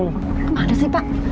kemana sih pak